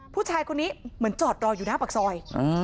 ผู้ชายคนนี้เหมือนจอดรออยู่หน้าปากซอย